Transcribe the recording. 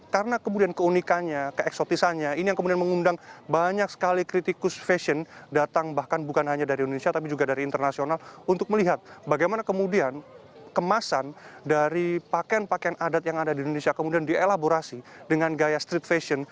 karena kemudian keunikannya keeksotisannya ini yang kemudian mengundang banyak sekali kritikus fashion datang bahkan bukan hanya dari indonesia tapi juga dari internasional untuk melihat bagaimana kemudian kemasan dari pakaian pakaian adat yang ada di indonesia kemudian dielaborasi dengan gaya street fashion